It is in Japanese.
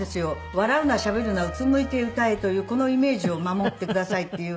笑うなしゃべるなうつむいて歌えというこのイメージを守ってくださいっていう。